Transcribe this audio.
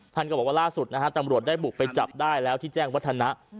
ท่านก็บอกว่าล่าสุดนะฮะตำรวจได้บุกไปจับได้แล้วที่แจ้งวัฒนะ